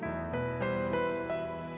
kau mau ngapain